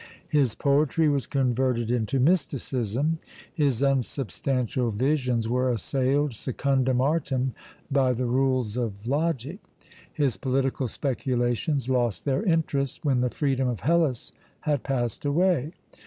His poetry was converted into mysticism; his unsubstantial visions were assailed secundum artem by the rules of logic. His political speculations lost their interest when the freedom of Hellas had passed away.